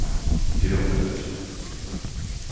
Deal with it!